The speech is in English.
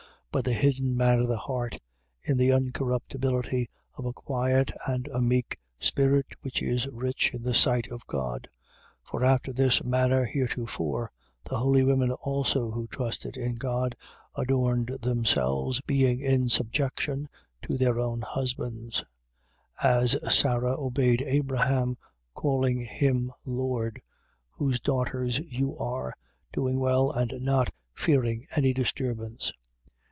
But the hidden man of the heart, in the incorruptibility of a quiet and a meek spirit which is rich in the sight of God. 3:5. For after this manner heretofore, the holy women also who trusted in God adorned themselves, being in subjection to their own husbands: 3:6. As Sara obeyed Abraham, calling him lord: whose daughters you are, doing well and not fearing any disturbance.